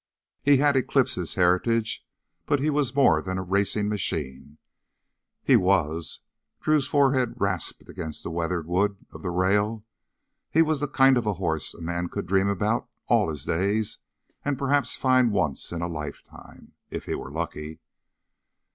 He had Eclipse's heritage, but he was more than a racing machine. He was Drew's forehead rasped against the weathered wood of the rail he was the kind of horse a man could dream about all his days and perhaps find once in a lifetime, if he were lucky!